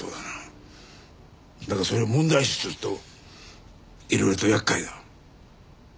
だがそれを問題視するといろいろと厄介だ。